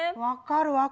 分かる！